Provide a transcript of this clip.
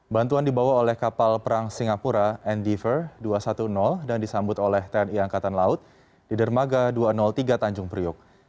bantuan dibawa oleh kapal perang singapura endever dua ratus sepuluh dan disambut oleh tni angkatan laut di dermaga dua ratus tiga tanjung priok